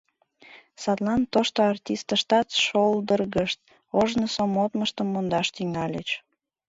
Садлан тошто артистыштат шолдыргышт, ожнысо модмыштым мондаш тӱҥальыч.